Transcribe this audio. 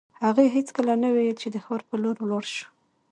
هغې هېڅکله نه ویل چې د ښار په لور ولاړ شو